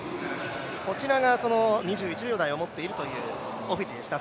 こちらがその２１秒台を持っているというオフィリでした。